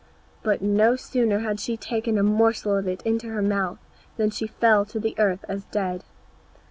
But no sooner had she taken a morsel of it into her mouth than she fell to the earth as dead.